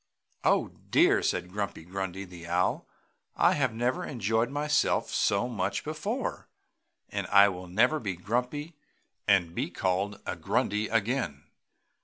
"Oh dear!" said Grumpy Grundy, the Owl. "I have never enjoyed myself so much before, and I will never be grumpy and be called a Grundy again!